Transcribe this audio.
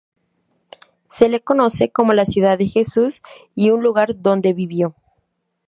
Se le conoce como la ciudad de Jesús y un lugar donde vivió.